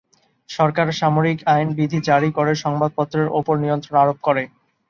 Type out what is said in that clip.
সরকার সামরিক আইন বিধি জারি করে সংবাদপত্রের ওপর নিয়ন্ত্রণ আরোপ করে।